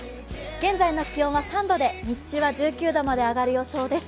現在の気温は３度で日中は１９度まで上がる予想です。